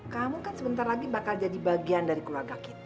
kamu kan sebentar lagi bakal jadi bagian dari keluarga kita